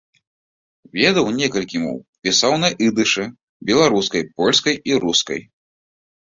Ведаў некалькі моў, пісаў на ідышы, беларускай, польскай і рускай.